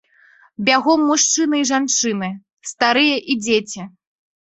Бягом мужчыны і жанчыны, старыя і дзеці.